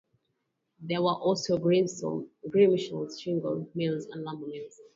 There were also gristmills, shingle mills and lumber mills.